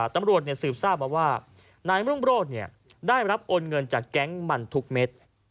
ตำรวจสืบทราบมาว่านายรุ่งโรธได้รับโอนเงินจากแก๊งมันทุกเม็ด